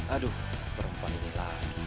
aduh perempuan ini lagi